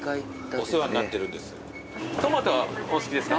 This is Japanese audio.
お世話になってるんです。